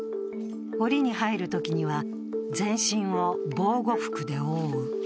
おりに入るときには全身を防護服で覆う。